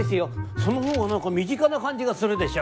その方が何か身近な感じがするでしょ。